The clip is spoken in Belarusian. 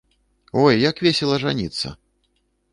Ой, як весела жаніцца.